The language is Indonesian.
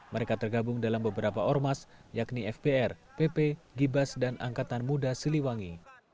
mereka tergabung dalam beberapa ormas yakni fbr pp gibas dan angkatan muda siliwangi